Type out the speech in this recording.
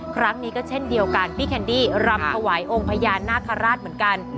ครั้งนี้ก็เช่นเดียวกันพี่แคนดี้รำถวายองค์พญานาคาราชเหมือนกัน